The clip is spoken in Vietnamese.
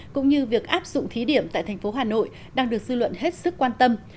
cũng như việc áp dụng thí điểm tại thành phố hà nội đang được dư luận hết sức quan tâm